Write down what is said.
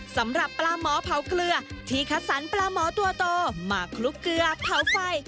สำหรับปลาหมอเผาเกลือที่คัดสรรปลาหมอตัวโตมาคลุกเกลือเผาไฟ